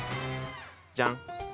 じゃん。